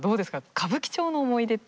歌舞伎町の思い出って。